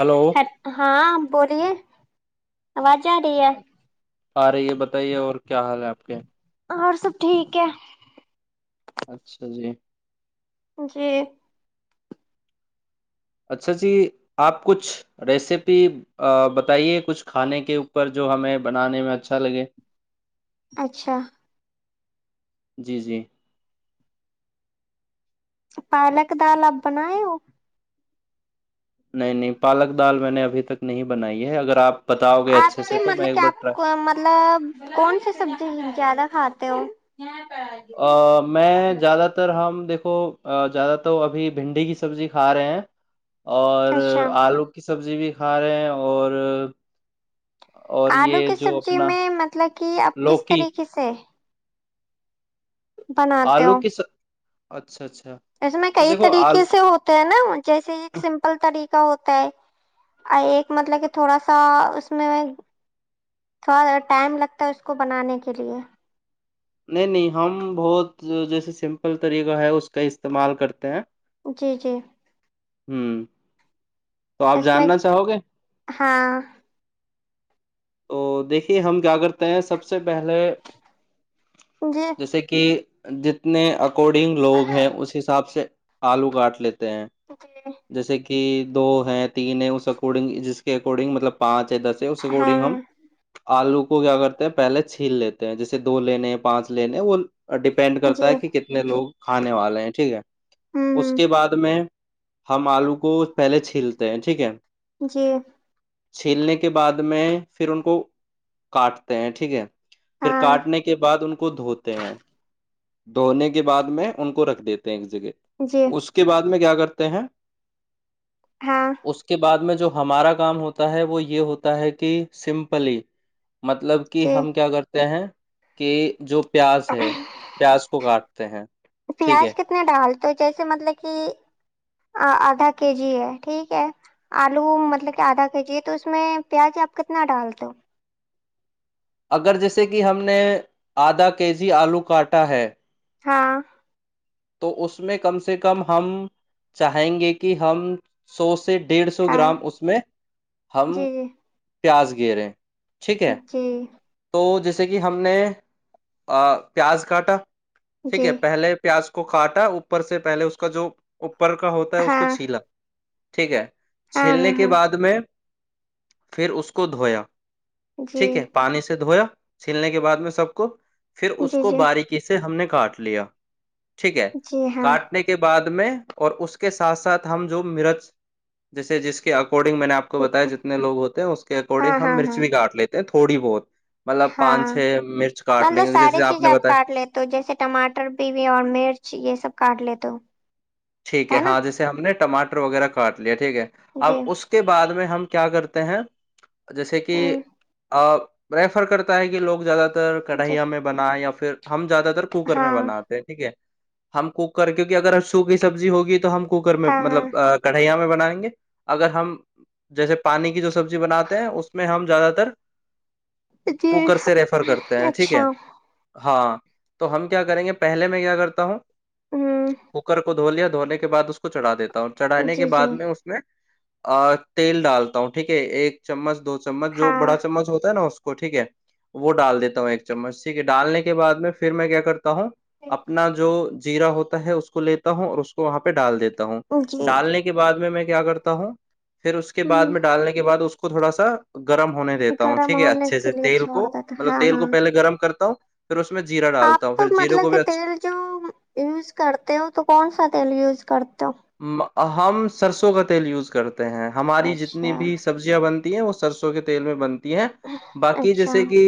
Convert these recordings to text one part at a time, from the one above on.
hello اچھا ہاں بولیے آواز آ رہی ہے آ رہی ہے بتائیے اور کیا حال ہے آپ کے اور سب ٹھیک ہے اچھا جی جی اچھا جی آپ کچھ ریسیپی بتائیے کچھ کھانے کے اوپر جو ہمیں بنانے میں اچھا لگے اچھا جی جی پالک دال آپ بناائے ہو نہیں نہیں پالک دال میں نے ابھی تک نہیں بنائی ہے اگر آپ بتاؤ گے آپ اچھے سے کے تو میں مطلب ایک بار کیاپ ٹرائی کو مطلب کون سی سبزی زیادہ کھاتے تو وہ ا میں زیادہ تر ہم دیکھ کو زیادہ تو ابھی بھنڈی کی سبزی کھا رہے ہیں اور اچھا آلو کی سبزی بھی ھا رہے ہیں اور اور آلو یہ کی جو سبزی اپنا میں مطلب کہ اب کس لوکی طریقے سے بناتے آلو ہو کی س... اچھا اچھا اس میں تو کئی دیکھو آل طریقے سے ہوتے ہیں نا جیسے ایک سمپل طریقے ہوتا ہے ایک مطلب کہ تھوڑا سا اس میں تھوڑا ٹائم لگتا ہے اس کو بنانے کے لیے نہیں نہیں ہم بہت جیسے سمپل طریقہ ہے اس کا استعمال کرتے ہیں جی جی ہوں تو آپ اس میں جاننا چاہو گے ہاں [unintelligible] تو دیکھیے ہم کیا کرتے ہیں سب سے [unintelligible] پہلے جی جیسے کہ جتنے اکارڈنگ لوگ ہیں اس حساب سے آلو گاٹ لی ہیں جی جیسے کہ [unintelligible] کہ دو ہے تین ہے اس اکڈنگ جس کے اکارڈنگ مطلب پانچ [unintelligible] س ا اس اکارڈنگ ہم ہاں [unintelligible] آلو کو کیا کرتے ہیں پہلے چھیل لیتے ہیں جیسے دو لینے پانچ لینے وہ ڈیپینڈ کرتا جی ہے کہ کتنے لوگ کھانے والے ہیں ٹھیک ہے ہوں اس کے ہ بعد میں [unintelligible] ہم آلو کو پہلے چھیلتے ہیں ٹھیک ہے جی [unintelligible] چھیلنے کے بعد میں پھر ان کو کاٹتے ہیں ٹھیک ہے پھر ہاں کاٹنے کے بعد ان کو دھوتے ہیں دھونے کے بعد میں ان کو رکھ دیتے ہیں گ جی اس کے بعد [unintelligible] میں کیا کرتے ہیں ہاں [unintelligible] اس کے بعد میں جو ہمارا کام ہوتا ہے وہ یہ ہوتا ہے کہ سمپلی مطلب کہ جی ہم کیا کرتے ہیں کہ جو پیاز ہے پیاز کو کاٹ ہیں [unintelligible] ٹھیک پیاز ہے کتنا ڈال [unintelligible] تو جیسے مطلب کہ آدھا کے جی ہے ٹھیک ہے آلو مطلب کہ آدھا کے جی ہے تو اس میں پیاز آپ کتنا ڈال دو [unintelligible] اگر جیسے کہ ہم نے آدھا کے جی آلو کاٹا ہے ہاں تو اس میں کم سے کم ہم چاہیں گے کہ ہم سو سے ڈیڑھ سو ہاں گرام اس میں ہم جی [unintelligible] پیاز گےرے جی [unintelligible] تو جیسے کہ ہم نے پیاز کاٹا ٹھیک ہے جی پہلے پیاز کو کو کاٹا اوپر سے پہلے اس کا جو ا اپر کا ہوتا ہے اس ہاں کو چھیلا ٹھیک ہے ہاں چھیلنے ہاں کے ہاں بعد میں پھر اس کو دھویا جی ٹھیک ہے پانی سے دھویا چھیلنے کے بعد میں سب کو پھر اس جی کو جی باریکی سے ہم نے کاٹ لیا ٹھیک ہے جی ہاں کاٹنے کے بعد میں اور اس کے ساتھ ساتھ ہم جو مرج جیسے جس کے آک اکارڈنگ میں نے آپ کو بتایا جتنے لو ہوتے ہیں اس کے ہاں اکارڈنگ ہم ہاں مرچ ہاں بھی کااٹ لیتے ہیں تھوڑی بہت مطلب ہاں پانچ چھ مرچ کاٹ لیں مطلب گے ساری جیسے چیزیں نے آپ بتایا کاٹ لیتے ہو جیسے ٹماٹر بھی بھی اور مرچ یہ یہ سب کاٹ لی تو ٹھیک ہے ہاں جیسے ہم نے ٹاٹر وغیرہ کاٹ لییاچ ٹھیک ہے اب جی اس کے بعد میں ہم کیا کرتے ہیں جیسے کہ ہوں ریفر کرتا ہے کہ لوگ زیادہ تر جی کڑھیا میں بنایا یا پھر ہم زیاد تر کوکر میں ہاں بناتے ہیں ٹھیک ہے ہم کوک کر کیونکہ اگر اشوک سبزی ہوگی تو ہم کوکر میں ہاں مطلب ہاں کٹھیا میں بائیں گے اگر ہم جیسے پانی کی جو سبزی بناتے ہیں اس میں ہم زیادہ تر جی کوکر سے ریفر کرتے ہیں ٹھیک اچھا ہے ہاں تو ہم کیا کریں گے پہلے میں کیا کرتا ہوں ہوں ہوکر دو لیا دھونے کے بد اس کو چڑا دیتے چڑھانے کے جی جی بعد میں اس میں تیل ڈالتا ہوں ٹھیک ہے ایک چمچ دو چمچ جو ہاں بڑا چمچ ہوتا ہے نا اس ٹھیک ہے وہ ڈال دیتا ہوں ایک چمچ ٹھیک ہے ڈالنے کے بع میں پھر میں کیا کرتا ہوں ہ اپنا جو جیرا ہوتا ہے اس کو ل ہوں اور اس کو وہاں پہ ڈال دیتے ہوں جی ڈالنے کے بعد میں میں کیا کرتا ہوں پھر اس کے بعد ہوں میں ڈالنے کے بعد اس کو کو تھوڑا سا گرم ہونے دیتا ہوں گرم ٹھیک ہے ہونے اچھے کے سے لیے تیل چھوڑ کو دیتا مطلب ہاں تیل ہاں کو پہلے گرم کرتا ہوں پھر اس میں جیرا ڈالتا ہوں آپ پھر جیرے مطلب کو کہ بھی اچھا تیل جو یوز کرتے ہو تو کون سا تیل یوز کرتے ہو ہم سرسوں کا تیل یوز کرتے ہیں ہماری جتنی اچھا بھی سبزیاں بنتی ہیں وہ سرسوں کے تیل میں بنتی ہے باقی اچھا جیسے کہ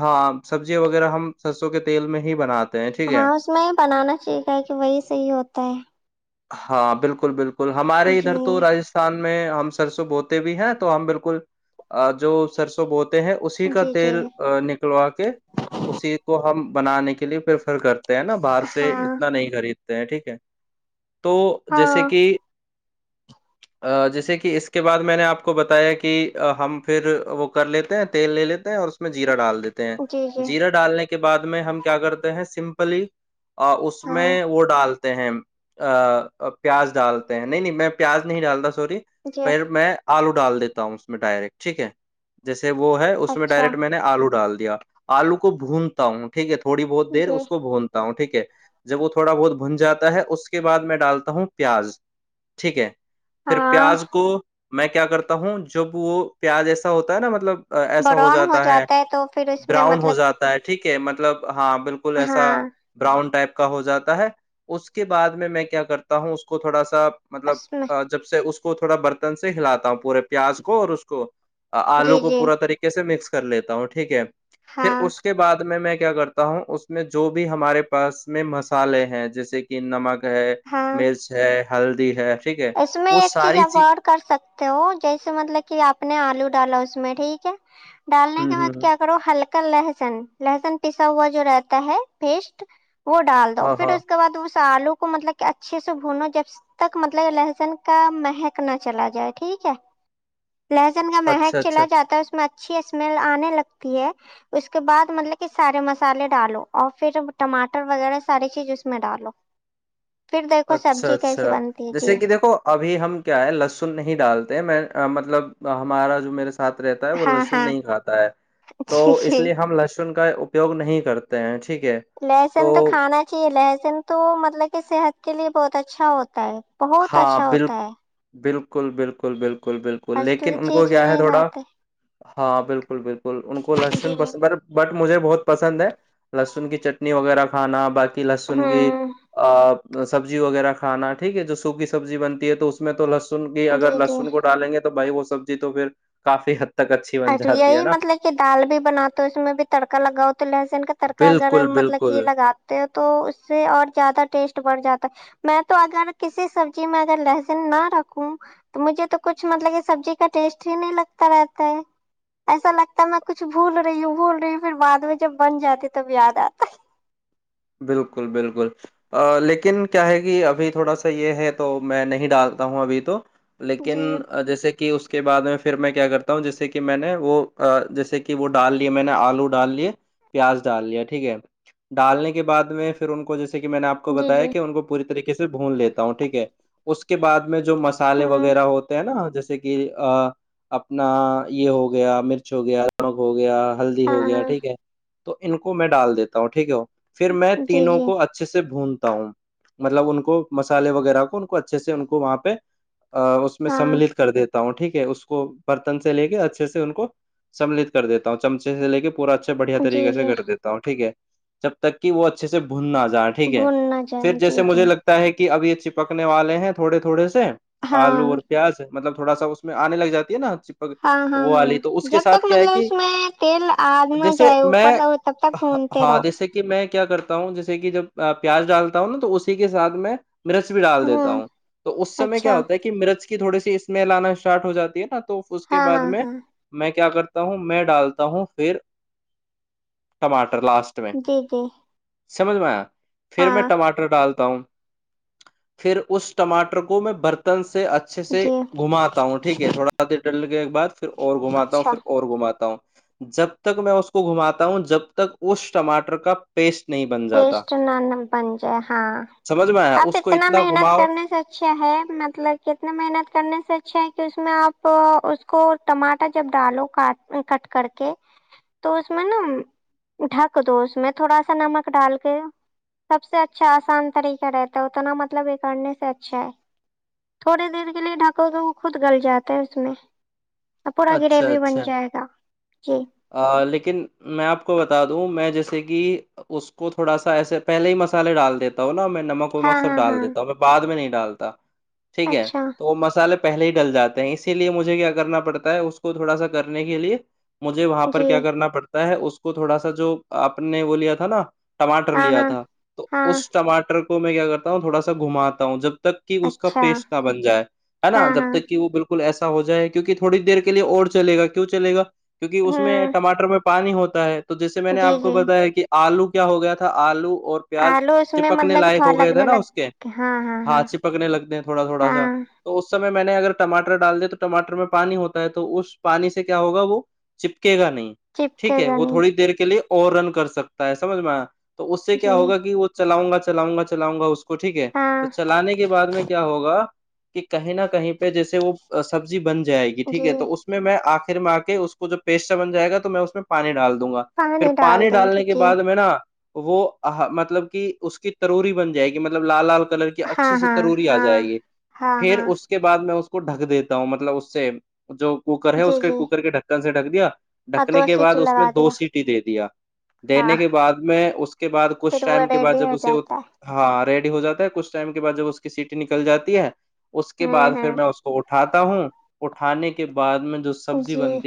ہاں سبزیاں وغیرہ ہم سرسوں کے تیل میں ہی بناتے ہیں ٹھیک ہے ہاں اس میں یہ بنانا چاہیے کہ وہی صحیح ہوتا ہے ہاں بالکل بالکل ہمارے جی ادھر تو رجستھان میں ہم سرسو بوتے بھی ہیں تو ہم بالکل جو سرسو بوتے ہیں اسی کا جی جی تیل نکلوا کے اسی کو ہم بنانے کی لیے پریفر کرتے ہیں نا باہر سے ہاں اتنا نہیں خرید ٹھیک ہے تو جیسے کہ ہاں جیسے کہ اس کے بعد میں نے آپ کو بتایا کہ ہم پھر وہ کر لیتے ہیں تیل لے لیتے ہیں اور اس میں جیرا ڈال دیتے ہیں جی جی جیرا ڈالنے کے کے بعد میں ہم کیا کرتے ہیں سمپلی اس میں ہاں وہ تے ہیں پیاز ڈالتے ہیں نہیں نہیں میں پیاز نہیں ڈالتا سوری جی پھر میں آلو ڈال دیتا ہوں اس میں ڈائریکٹ ٹھیک ہے جیسے وہ ہے اس میں اچھا ڈائریکٹ میں نے آلو ڈال دیا یا آلو کو بھونتا ہوں ٹھیک ہے تو تھوی بہت دیر جی اس کو بھونتا ہوںٹیک ہے جب وہ تھوڑا بہت بھن جاتا ہے اس کے بعد میں ڈالتا ہوں پیاز ٹھیک ہے پھر ہاں پیاز کو میں کیا کرتا ہوں جب وہ پیاز ایسا ہوتا ہے نا مطلب برون ہو جاتا ہے تو پھر اس میں براؤن ہو مطلب جاتا ہے ٹھیک ہے مطلب ہاں بالکل ایسا ہاں براؤن ٹائپ ہو جاتا ہے اس کے بد میں میں کیا کرتا ہوں اس کو تھوڑا سا اس میں مطلب جب سے اس کو اس کو تھوڑا برتن سے ہلاتا ہوں پورے پیاز کو اور اس کو آلو جی کو جی پورا طریقے سے مکس کر لیتا ہوں ٹھیک ہے پھر ہاں اس کے بعد میں میں کرتا ہوں اس میں جو بھی ہمارے پاس میں مسالے ہیں جسے کہ نمک ہے ہاں میز ہے ہلدی ہے ٹھیک ہے اس میں وہ ایک چیز ساری آپ اور کر سکتے ہو جیسے مطلب کہ آپ نے آلو ڈالا اس میں ٹھیک ہے ڈالنے ہوں کے بعد ہوں کیا کرو ہلکا لہسن لہسن پسا ہوا جو رہتا ہے پیسٹ وہ ڈال دو ہاں پھر ہاں اس کے بع اس سالو کو مطلب کہ اچھے سے بھونو جب تک مطلب م لہسن کا مہک نہ چلا جائے ٹھیک ہے لہسن کا اچھا مہک اچھا چلا جا ہے اس میں اچھ اچھی اسمیل آنے لگتی ہے اس کے بعد مطلب کہ سارے مسالے ڈالو اور پھر ٹماٹر وغیرہ ساری چیز اس میں ڈالو پھر دیکھو اچھا سبزی کیسی اچھا بنتی ہے جی جیسے کہ دیکھو ابھی ہم کیا ہے لہسن نہیں ڈالتے میں مطلب ہمارا جو میرے ساتھ رہتا ہے وہ ہاں لہسن ہاں نہیں کھاتا ہے تو جی اس جی لیے ہم لہسن کا اپیوگ نہیں کرتے پینچ [unintelligible] لہسن تو کھانا چاہیے لہسن تو مطلب کہ صحت کے لیے بہت اچھا ہوتا ہے بہت ہاں اچھا ہوتا ہے بالکل بالکل بالکل بالکل بالکل آج کل لیکن ان کو چیز ہی کیا ہے نہیں تھوڑا کھاتے ہاں بالکل بالکل ان کو جی لسن پسند بٹ مجھے بہت پسند ہے لہسن کی چٹنی وغیرہ کھانا باقی کی لسن کی ہوں آ سبزی وغیرہ کھانا ٹھیک ہے ج کی سبزی بنتی ہے تو اس میں تو لس بھی اگر جی جی لہسن کو ڈالیں گے تو بھائی وہ سبزی تو پھر کافی تک اچھی بن اور جاتی ہے یہی نا مطلب کہ دال بھی بناتے اس میں بھی تڑکا لگاؤ تو لہسن کا تڑکا اگر بالکل مطلب کہ بالکل لگاتے ہو تو اس سے اور زیادہ ٹیسٹ بڑھ جاتا میں تو اگر کسی سبزی میں اگر لہسن نہ رکھوں تو مجھے تو کچھ مطلب یہ سبزی کا ٹیسٹ ہی نہیں لگتا رہتا ہے ایسا لگتا ہے میں کچھ بھول رہی ہوں بھول رہی ہوں پھر بعد میں جب بن جاتے تب یاد آتا ہے بالکل بالکل لیکن کیا ہے کہ ابھی تھوڑا سا یہ ہے تو میں نہیں ڈالتا ہوں ابھی تو ہے لیکن جی جیسے کہ اس کے بعد میں پھر میں کیا کرتا ہوں جیسے کہ میں نے وہ جیسے کہ وہ ڈال لیا میں نے آلو ڈال لیے پیاز ڈال لیا ٹھیک ہے ڈالنے کے کے بع میں پھر ان کو جیسے کہ میں نے آپ کو جی بتایا جی کہ ان کو پوری طریقے سے بھون لیتا ہوں ٹھیک ہے اس کے بعد میں جو مسالے ہوں وغیرہ ہوتے ہیں نا جیس جیسے کہ اپنا یہ ہو گیا مرچ ہو گیا رنک ہو گیا ہلدی ہاں ہو گیا ہاں ٹھیک ہے تو ان کو میں ڈال دیتا ہوں ٹھیک ہے ہو پھر میں جی تینوں جی کو اچھے سے بھون ہوں مطلب ان کو مسالے وغیرہ کو ان کو اچھے سے ان کو وہاں پہ اس میں ہاں سملت کر دیتا ہوں ٹھیک ہے اس کو برتن سے لے کے اچھے سے ان کو سملت کر دیتا ہوں چمچے سے لے کے پورا اچھا بڑھیا جی طریقے سے جی کر دیتا ہوں ٹھیک ہے چب تک کہ وہ اچھے سے بھون نہ جائے ج ٹھیک ہے بھول نہ پھر جائیں جیسے جی مجھے جی لگتا ہے کہ اب یہ چپکنے والے ہیں تھوڑے تھوڑے سے ہاں آلو اور پیاز ہے مطلب تھوڑا سا اس میں آنے لگ جاتی ہے نا چپک ہاں ہاں وہ ہاں والی تو اس کے جب تک ساتھ کیا ہے مطلب کہ اس میں تیل آد نہ جیسے جائے اوپر میں تو ہو تب تک بھونتے ہاں رہو جیسے کہ میں کیا کرتا ہوں جیسے کہ جب پیاز ڈالتا ہوں نا تو اسی کے سھ میں مرچ بھی ڈال دیتا ہوں تو اس سمے کیا اچھا ہوتا ہے کہ مرچ تھوڑی سی اسمیل آنا اسٹارٹ ہو جاتی ہے نا اس کے ہاں بعد ہاں میں ہاں میں کیا کرتا تا ہوں میں ڈالتا ہوں پھر ٹماٹر لاسٹ میں جی جی سمجھ میں آ پھر میں ہاں ٹماٹر ڈالتا ہوں پھر اس ٹماٹر کو میں برتن سے سے اچھے سے جی گھماتا ہوں ٹھیک ہے تھوڑا دیر ڈل کے بد پھر اور گھماتا ہوں اچھا پھر اور گھماتا ہوں جب تک میں اس کو گھماتا ہوں جب تک اس ٹماٹر کا پیسٹ نہیں بن جاتا سٹ ن پن ج ہے ہاں سمجھ میں آیا آپ اس کو اتنا محنت گھماؤ کرنے سے اچھا ہے مطلب کتنا محنت کرنے سے اچھا ہے اس میں آپ اس کو ٹماٹر جب ڈالو کٹ کر کے تو اس میں نا ڈھک دو اس میں تھوڑا سا نمک ڈال کے سب سے اچھا آسان طریقہ رہتا ہے اتنا مطلب اکنے سے اچھا ہے تھوڑی دیر کے لیے ڈھکو تو وہ خود گل جاتا ہے اس میں پورا اچھا گریوی بن اچھا جائے گا جی لیکن میں آپ کو بتا دوں میں جیسے کہ اس کو تھوڑا سا ایسے پہلے ہی مسالے ڈال دیتا ہوں نا میں نمک ہاں ومک سب ہاں ڈال ہاں دیتا ہوں میں بد میں نہیں ڈالتا ٹھیک ہے اچھا تو وہ مسالے پہلے ہی ڈل جاتے ہیں اسی لیے مجھے کیا کرنا پڑتا ہے اس کو تھوڑا سا کرنے کے لیے مجھے وہاں پر جی کیا کرنا پڑتا ہے ہے اس کو تھوڑا سا جو آپ نے وہ لیا تھا نا ٹماٹر ہاں لیا ہاں تھا تو ہاں اس ٹماٹر کو تو میں کیا کرتا ہوںوا سا گھماتا ہوں جب تک کہ اس کا اچھا پیش نہ بن جائے ہے نا ہاں جب ہاں تک کہ وہ بالکل ایسے ہو جائے کیونکہ تھوڑی دیر کے لیے اور چلے گا کیوں چلےا کیونک اس میں ہوں ٹاٹر میں پانی ہوتا ہے تو جیسے میں نے جی آپ کو جی بتایا کہ آلو کیا ہو گیا تھا آلو اور پیاز آلو اس میں چپکنے مطلب کہ لائق تھوڑا ہو گئے تھے لگنے نا اس کے لگ ہاں چپکنے لگتے تھوڑا تھوڑا ہاں سا تو اس سمے میں نے اگر ٹماٹر ڈال دیا تو ٹماٹر میں پانی ہوتا ہے تو اس پانی سے کیا ہوگا وہ چپ کہے گا نہیں ٹھیک چپکے ہے گا وہ نہیں تھوڑی دیر کے لیے اور رن کر سکتا ہے سمجھ میں تو اس سے کیا جی ہوگا کہ وہ چلاؤں گا چلاؤںا چلاؤں گا اس کو کو ٹھیک ہے تو ہاں چلانے کے بعد میں کیا ہوگا کہ کہیں نہ کہیں پہ جیسے وہ سبزی بن جائے گی ٹھیک جی ہے تو اس میں آخر م آ کے اس کو جو پیسٹ سے بنائےا تو میں اس میں پانی ڈال دوں دوں گا پھر ڈال پانی دیں گے ڈالنے کے جی بعد میں نا وہ مطلب کہ اس کی تروروری بن جائے گی مطلب لال لال کلر کی ہاں اچھی سی ہاں تروری آ ہاں جائے گی ہاں پھر ہاں اس کے بعد میں اس کو کو ڈھک دیتا ہوں مطلب اس سے جو کوکر ہے جی اس کے جی کوکر کے ڈک سےٹھک دیا اور ڈھکنے دو کے بعد سیٹی اس میں لگا دو دیا سیٹی دے دیا ہاں دینے کے بعد میں اس کے بعد کچھ پھر وہ ٹائم کے بعد ریڈی جب ہو اسے جاتا ہاں ریڈ ہو جاتا ہے کچھ ٹائم کے بع جب اس کی سیٹی نکل جاتی ہے اس ہے کے بع ہوں پھر میں ہوں اس کو اٹھ اٹھاتا ہوں اٹھانے کے بعد میں سبزی جی بن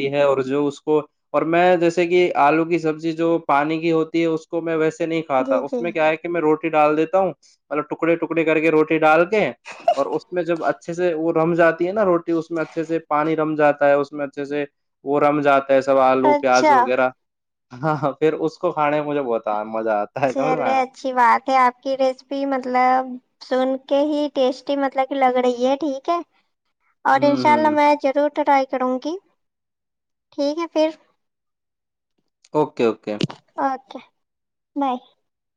جو اس کو اور میں جیسے کہ آلو کی سبزی جو پانی کی ہوتی ہے اس کو میں ویسے نہیں کا جی تھا جی اس میں کیا ہے کہ میں روٹی ڈال دیتا ہوں مطلب ٹکڑے ٹکڑے کر کے روٹی ڈال ہیں اور اس میں جب اچھا اچھے سے وہ رم جاتی ہے نا روٹی اس میں اچھے سے پانی رم جاتا ہے اس میں اچھے سے وہ رمضات ساو آلو اچھا پیاز وغیرہ ہاں پھر اس کو کھانے میں مجھے بہت آ مزہ آتا ہے سمجھ میں چلے آیا اچھی بات ہے آپ کی ریسیپی مطلب سن کہ ہی ٹیسٹی مطلب کہ لگ رہی ہے ٹھیک ہے اور ہوں انشاء اللہ ہوں میں ضرور ٹرائی کروں گی ٹھیک ہے پھر [unintelligible] اوکے اوکے [unintelligible] اکا [unintelligible] نہیں [unintelligible]